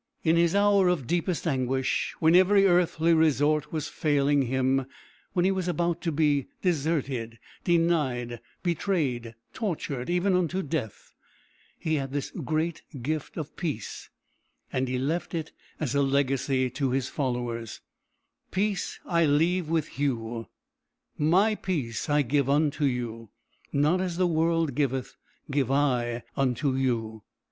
In his hour of deepest anguish, when every earthly resort was failing him, when he was about to be deserted, denied, betrayed, tortured even unto death, he had this great gift of peace, and he left it as a legacy to his followers: "Peace I leave with you; my peace I give unto you. Not as the world giveth give I unto you."